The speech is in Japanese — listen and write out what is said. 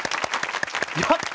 やった！